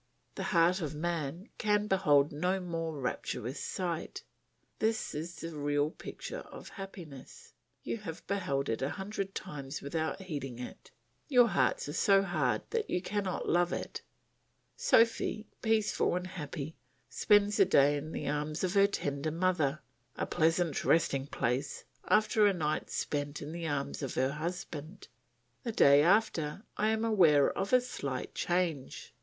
The heart of man can behold no more rapturous sight; this is the real picture of happiness; you have beheld it a hundred times without heeding it; your hearts are so hard that you cannot love it. Sophy, peaceful and happy, spends the day in the arms of her tender mother; a pleasant resting place, after a night spent in the arms of her husband. The day after I am aware of a slight change.